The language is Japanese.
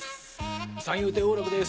三遊亭王楽です。